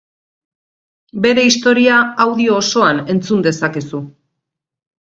Bere historia audio osoan entzun dezakezu.